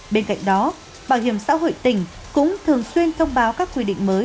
bên cạnh đó bảo hiểm xã hội tỉnh cũng thường xuyên thông báo các quy định mới